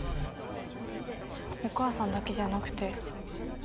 お母さんだけじゃなくて。